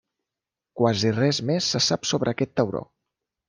Quasi res més se sap sobre aquest tauró.